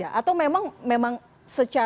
ya hanya menarget orang orang tertentu saja